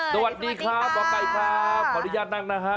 สวัสดีค่ะหมอไก่ค่ะขออนุญาตนั่งนะครับ